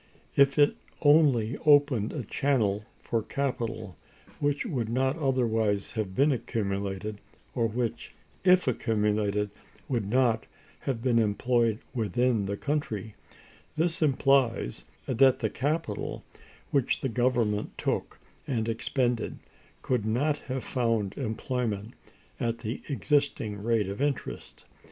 If it only opened a channel for capital which would not otherwise have been accumulated, or which, if accumulated, would not have been employed within the country, this implies that the capital, which the Government took and expended, could not have found employment at the existing rate of interest.